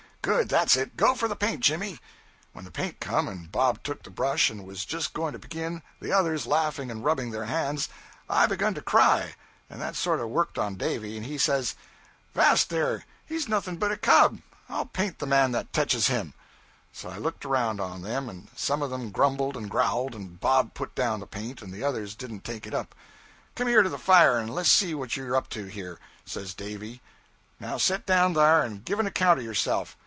'Good, that 's it. Go for the paint, Jimmy.' When the paint come, and Bob took the brush and was just going to begin, the others laughing and rubbing their hands, I begun to cry, and that sort of worked on Davy, and he says ''Vast there! He 's nothing but a cub. 'I'll paint the man that tetches him!' So I looked around on them, and some of them grumbled and growled, and Bob put down the paint, and the others didn't take it up. 'Come here to the fire, and less see what you're up to here,' says Davy. 'Now set down there and give an account of yourself.